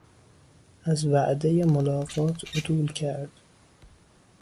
از وعدهی ملاقات عدول کرد.